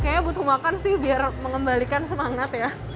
kayaknya butuh makan sih biar mengembalikan semangat ya